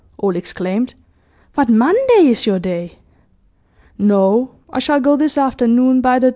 all exclaimed. 'But Monday is your day.' 'No, I shall go this afternoon, by the 2.